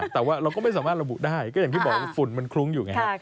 แต่ว่าเราก็ไม่สามารถระบุได้ก็อย่างที่บอกว่าฝุ่นมันคลุ้งอยู่ไงฮะ